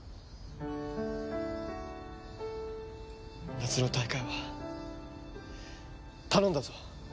夏の大会は頼んだぞ！